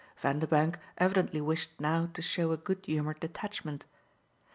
Vanderbank evidently wished now to show a good humoured detachment.